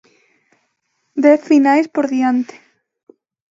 Dez finais por diante.